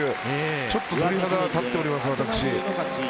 ちょっと鳥肌立っています、私。